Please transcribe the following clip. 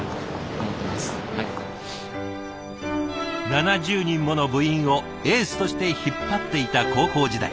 ７０人もの部員をエースとして引っ張っていた高校時代。